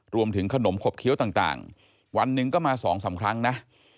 รวมถึงขนมขบเคี้ยวต่างวันหนึ่งก็มา๒๓ครั้งนะ